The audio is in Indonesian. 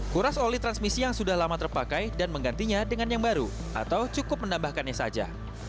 kuras oli transmisi yang sudah lama terpakai dan menggantinya dengan yang baru atau cukup menambahkannya saja